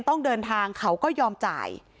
ต้องเดินทางเขาก็ยอมจ่าย